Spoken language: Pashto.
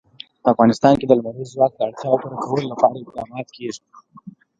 په افغانستان کې د لمریز ځواک د اړتیاوو پوره کولو لپاره اقدامات کېږي.